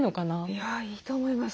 いいと思います。